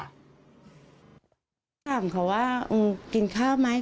ถามเขาว่ากินข้าวไหม